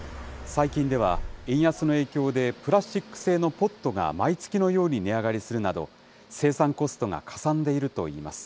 最近では、円安の影響で、プラスチック製のポットが毎月のように値上がりするなど、生産コストがかさんでいるといいます。